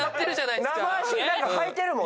「ナマ足」に何か履いてるもん。